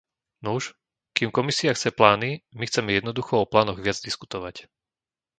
Nuž, kým Komisia chce plány, my chceme jednoducho o plánoch viac diskutovať.